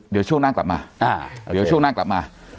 เดี๋ยวช่วงหน้ากลับมา